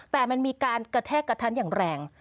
แต่มันมีการกระแทกกระทั้นอย่างแรง